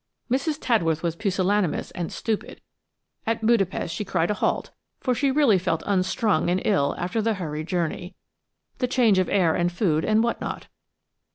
Mrs. Tadworth was pusillanimous and stupid. At Budapest she cried a halt, for she really felt unstrung and ill after the hurried journey, the change of air and food, and what not.